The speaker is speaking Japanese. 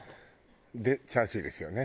でチャーシューですよね？